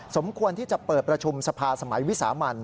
สมควรที่จะเปิดประชุมสภาสมัยวิสามัน